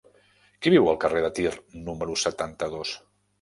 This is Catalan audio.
Qui viu al carrer de Tir número setanta-dos?